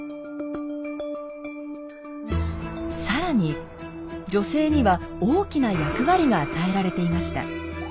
更に女性には大きな役割が与えられていました。